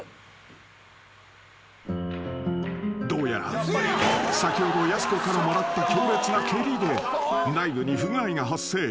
［どうやら先ほどやす子からもらった強烈な蹴りで内部に不具合が発生］